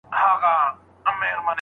خالقه ما خو واوريدی سُروز په سجده کې